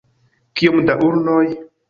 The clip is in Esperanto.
Kiom da ulnoj?